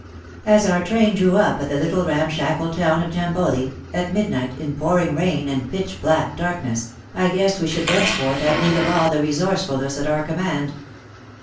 As our train drew up at the little ramshackle town of Jamboli, at midnight, in pouring rain and pitch black darkness, I guessed we should thenceforth have need of all the resourcefulness at our command.